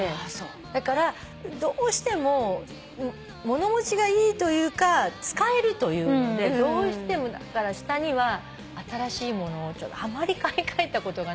だからどうしても物持ちがいいというか使えるというのでどうしてもだから下には新しいものをあまり買い替えたことがなくて。